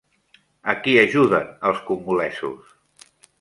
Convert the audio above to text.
A qui ajuden els congolesos?